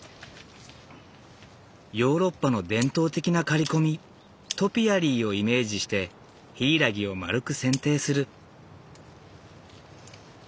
ヨーロッパの伝統的な刈り込みトピアリーをイメージしてヒイラギを丸く剪定する。